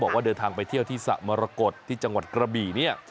บอกว่าเดินทางไปเที่ยวที่สระมรกฏที่จังหวัดกระบี่เนี่ย